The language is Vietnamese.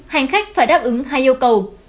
hành khách phải đáp ứng hai yêu cầu